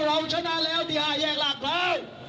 เราชนะแล้วเนี่ยแยกหลักแล้ว